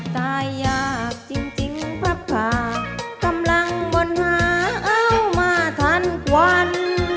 ตายยากจริงพับขากำลังวนหาเอามาทันควัน